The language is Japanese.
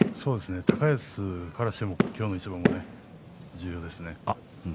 高安からしてもこの一番は重要ですね。